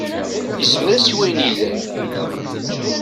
Yezmer-as i wayen yellan.